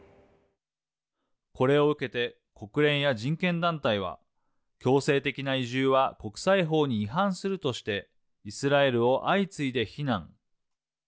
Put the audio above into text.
これを受けて、国連や人権団体は強制的な移住は国際法に違反するとしてイスラエルを相次いで非難。